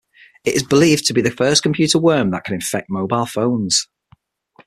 It is believed to be the first computer worm that can infect mobile phones.